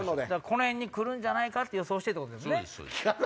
この辺に来るんじゃないかって予想してということですね？